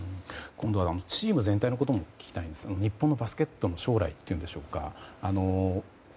今度はチーム全体のことも聞きたいんですが日本のバスケットの将来というんでしょうか。